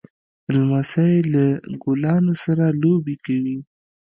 لمسی له ګلانو سره لوبې کوي.